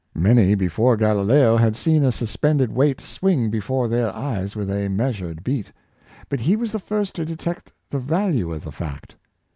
Many before Galileo had seen a suspended weight swing before their eyes with a measured beat; but he was the first to detect the value of the fact.